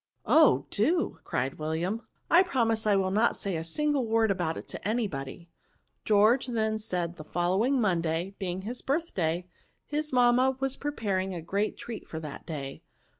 " Oh ! do," cried William ;" I promise I will not sa^ a single word ahout it to any body." George then said that the following Mon day, being his birth day, his mamma was preparing a great treat for that day.